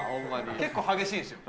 結構、激しいですよ。